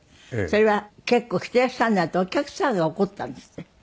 それは結構着ていらっしゃらないとお客様が怒ったんですって？